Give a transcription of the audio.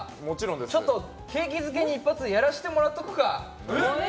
ちょっと景気づけに一発やらせてもらっとくか。